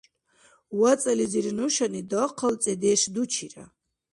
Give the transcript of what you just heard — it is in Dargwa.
ВацӀализир нушани дахъал цӀедеш дучира.